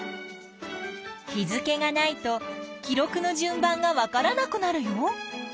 日付がないと記録の順番がわからなくなるよ。